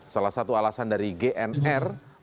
salah satu alasan dari gnr